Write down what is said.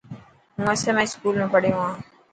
هون SMI اسڪول ۾ پهڙيو هان.